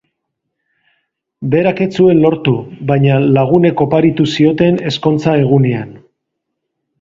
Berak ez zuen lortu, baina lagunek oparitu zioten ezkontza egunean.